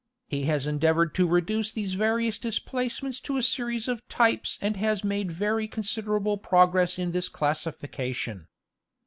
He has endeavy ored to reduce these various displacements to a series of types and has made very considerable progress in this classification.